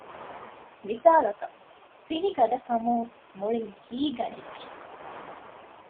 މިސާލަކަށް ފިނިގަދަކަމުން މުޅިން ހީގަނެއްޖެ